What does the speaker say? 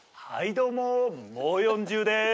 どうももう４０です。